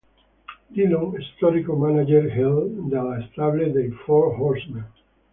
Dillon, storico manager heel della stable dei Four Horsemen.